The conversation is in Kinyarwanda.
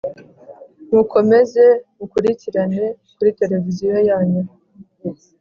Mukomeze mukurikirane ku televiziyo yanyu